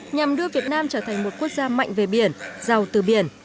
nhằm đưa việt nam trở thành một quốc gia mạnh về biển giàu từ biển